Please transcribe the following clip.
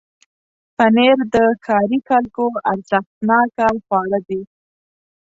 پنېر د ښاري خلکو ارزښتناکه خواړه دي.